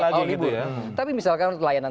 lagi gitu ya tapi misalkan layanan